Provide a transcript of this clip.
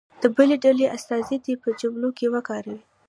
د بلې ډلې استازی دې په جملو کې وکاروي.